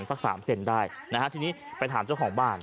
สักสามเซนได้นะฮะทีนี้ไปถามเจ้าของบ้าน